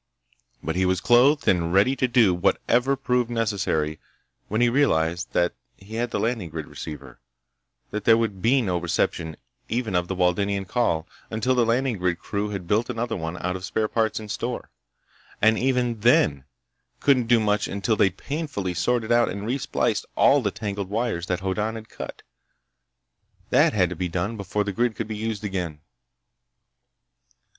But he was clothed and ready to do whatever proved necessary when he realized that he had the landing grid receiver, that there would be no reception even of the Waldenian call until the landing grid crew had built another out of spare parts in store, and even then couldn't do much until they'd painfully sorted out and re spliced all the tangled wires that Hoddan had cut. That had to be done before the grid could be used again.